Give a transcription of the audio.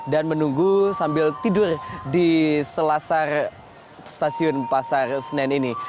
dan menunggu sambil tidur di selasar stasiun pasar senan ini